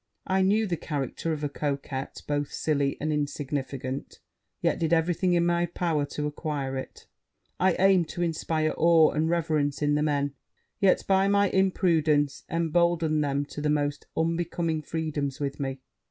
I knew the character of a coquette both silly and insignificant; yet did every thing in my power to acquire it. I aimed to inspire awe and reverence in the men; yet, by my imprudence, emboldened them to the most unbecoming freedoms with me.